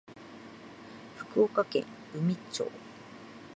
福岡県宇美町